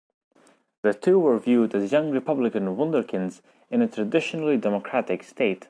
The two were viewed as young Republican wunderkinds in a traditionally Democratic state.